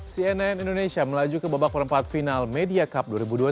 cnn indonesia melaju ke babak perempat final media cup dua ribu dua puluh